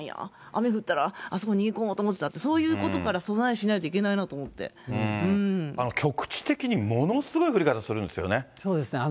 雨降ったらあそこに行こうと思ってたって、そういうことから備え局地的にものすごい降り方すそうですね。